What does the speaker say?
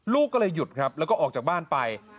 ลูกก็เลยหยุดครับแล้วก็ออกจากบ้านไป